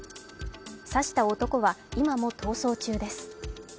刺した男は今も逃走中です。